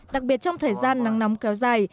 đặc biệt trong thời gian nắng nóng kéo dài